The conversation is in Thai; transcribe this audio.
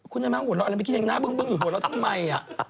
ก็มันมีแค่นี้เลย